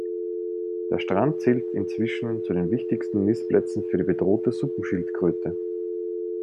Der Strand zählt inzwischen zu den wichtigsten Nistplätzen für die bedrohte Suppenschildkröte.